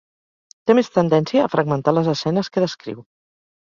Té més tendència a fragmentar les escenes que descriu.